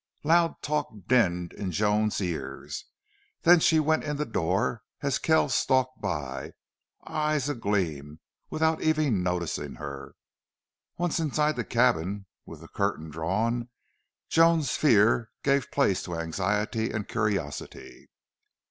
Loud talk dinned in Joan's ears. Then she went in the door as Kells stalked by, eyes agleam, without even noticing her. Once inside her cabin, with the curtain drawn, Joan's fear gave place to anxiety and curiosity.